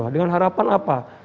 dengan harapan apa